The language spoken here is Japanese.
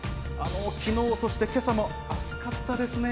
きのう、そしてけさも暑かったですね。